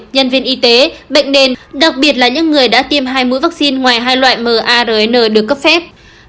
nhân viên y tế bệnh nền đặc biệt là những người đã tiêm hai mũi vắc xin ngoài hai loại mrna được cấp phép